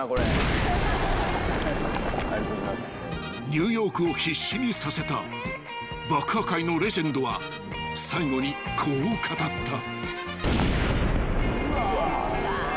［ニューヨークを必死にさせた爆破界のレジェンドは最後にこう語った］